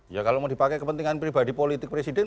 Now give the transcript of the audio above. ya kalau mau dipakai kepentingan pribadi politik presiden